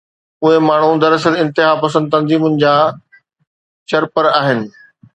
اهي ماڻهو دراصل انتهاپسند تنظيمن جا چرپر آهن.